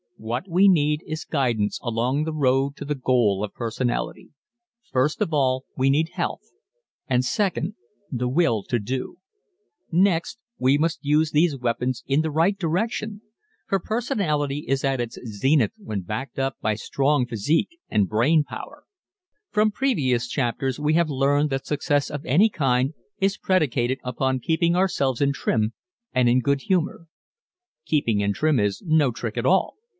What we need is guidance along the road to the goal of personality. First of all we need health and second, the will to do. Next, we must use these weapons in the right direction, for personality is at its zenith when backed up by strong physique and brain power. From previous chapters we have learned that success of any kind is predicated upon keeping ourselves in trim, and in good humor. Keeping in trim is no trick at all.